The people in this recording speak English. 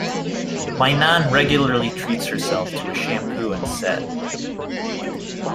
My nan regularly treats herself to a shampoo and set.